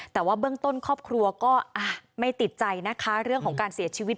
แต่ว่าเบื้องต้นครอบครัวก็ไม่ติดใจนะคะเรื่องของการเสียชีวิต